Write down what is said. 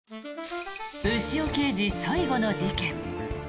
牛尾刑事最後の事件。